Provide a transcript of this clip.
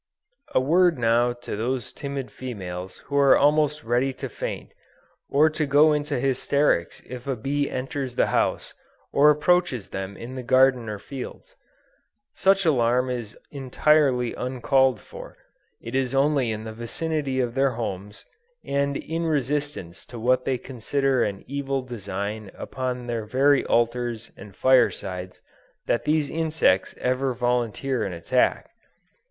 A word now to those timid females who are almost ready to faint, or to go into hysterics if a bee enters the house, or approaches them in the garden or fields. Such alarm is entirely uncalled for. It is only in the vicinity of their homes, and in resistance to what they consider an evil design upon their very altars and firesides that these insects ever volunteer an attack.